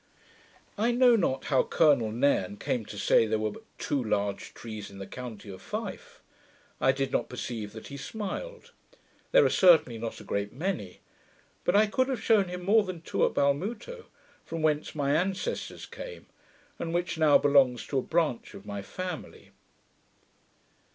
I know not how Colonel Nairne came to say there were but TWO large trees in the county of Fife. I did not perceive that he smiled. There are certainly not a great many; but I could have shewn him more than two at Balmuto, from whence my ancestors came, and which now belongs to a branch of my family.